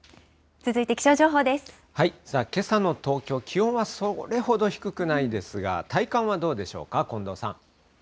けさの東京、気温はそれほど低くないですが、体感はどうでしょうか。